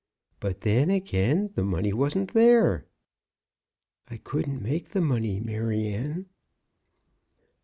But then, again, the money wasn't there." "I couldn't make the money, Maryanne."